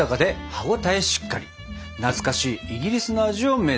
懐かしいイギリスの味を目指します！